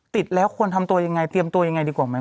ติดแล้วควรทำตัวยังไงเตรียมตัวยังไงดีกว่าไหม